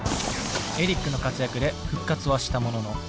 エリックの活躍で復活はしたものの。